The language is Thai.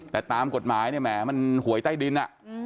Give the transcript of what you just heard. แต่ตามกฎหมายมันหวยใต้ดิน